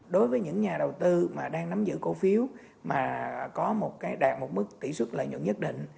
đối với những nhà đầu tư mà đang nắm giữ cổ phiếu mà có một cái đạt một mức tỷ xuất lợi nhuận nhất định